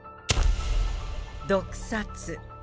毒殺。